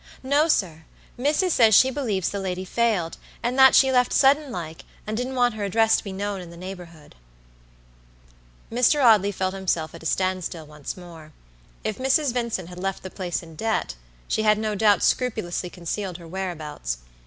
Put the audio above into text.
"No, sir; missus says she believes the lady failed, and that she left sudden like, and didn't want her address to be known in the neighborhood." Mr. Audley felt himself at a standstill once more. If Mrs. Vincent had left the place in debt, she had no doubt scrupulously concealed her whereabouts.